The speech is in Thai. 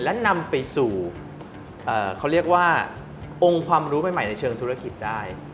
และนำไปสู่เขาเรียกว่าองค์ความรู้ใหม่ในเชิงธุรกิจได้